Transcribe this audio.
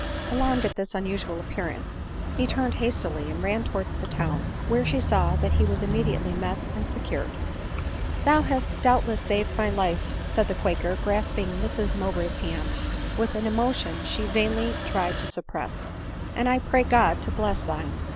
Alarmed at this unusual appearance, he turned hastily and ran towards the town, where she saw that he was immediately met and secured. " Thou hast doubtless saved my life," said the quaker, grasping Mrs Mowbray's hand* with an emotion which she vainly tried to suppress ;" and I pray God to bless thine!"